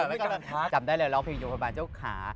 อ่าจำได้เลยร้องเพลงยมพระบาลเจ้าขา